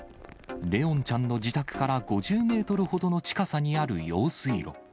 怜音ちゃんの自宅から５０メートルほどの近さにある用水路。